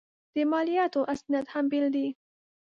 د مالیاتو اسناد هم بېل دي.